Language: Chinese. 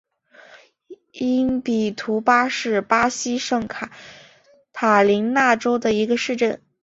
因比图巴是巴西圣卡塔琳娜州的一个市镇。